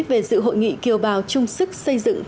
về sự hội nghị kiều bào chung sức xây dựng tp hcm